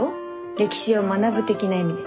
歴史を学ぶ的な意味で。